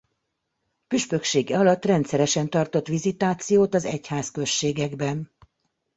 Püspöksége alatt rendszeresen tartott vizitációt az egyházközségekben.